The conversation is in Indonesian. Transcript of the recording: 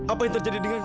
apa yang terjadi denganku